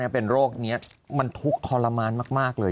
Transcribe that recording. เป็นโรคนี้มันทุกข์ทรมานมากเลย